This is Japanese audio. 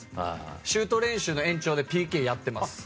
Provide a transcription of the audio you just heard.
シュート練習の延長でＰＫやってます。